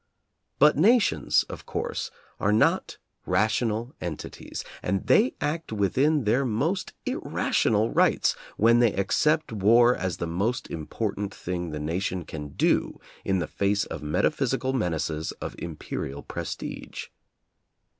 But nations, of course, are not rational entities, and they act within their most irrational rights when they ac cept war as the most important thing the nation can do in the face of metaphysical menaces of im perial prestige.